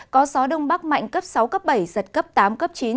có gió đông bắc mạnh cấp sáu cấp bảy giật cấp tám cấp chín